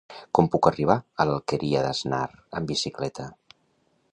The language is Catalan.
Com puc arribar a l'Alqueria d'Asnar amb bicicleta?